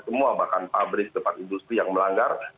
semua bahkan pabrik tempat industri yang melanggar